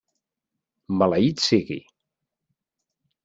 Maleït sigui!